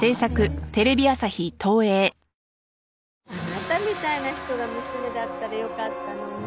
あなたみたいな人が娘だったらよかったのに。